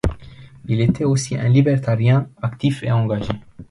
Il était aussi un libertarien actif et engagé.